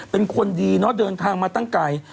เป็นคนดีเนอะเดินทางมาตั้งไกล